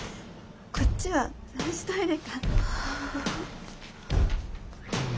こっちは男子トイレか。